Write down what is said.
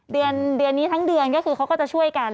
เดือนนี้ทั้งเดือนก็คือเขาก็จะช่วยกัน